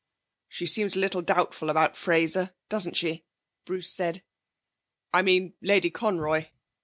'She seems a little doubtful about Fraser, doesn't she?' Bruce said. 'I mean Lady Conroy.